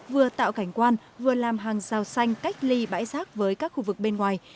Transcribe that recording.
vừa tạo cảnh quan vừa làm hàng rào xanh cách ly bãi giác với các khu vực bên ngoài